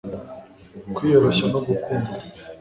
kwiyoroshya no gukunda